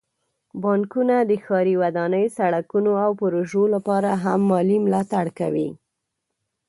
بانکونه د ښاري ودانۍ، سړکونو، او پروژو لپاره هم مالي ملاتړ کوي.